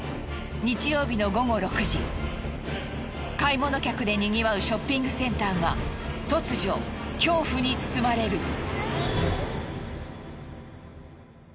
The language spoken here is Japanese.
日曜日の午後６時買い物客でにぎわうショッピングセンターは突如恐怖に包まれる。